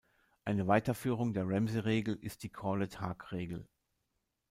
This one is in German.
Eine Weiterführung der Ramsey-Regel ist die Corlett-Hague-Regel.